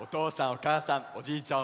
おかあさんおじいちゃん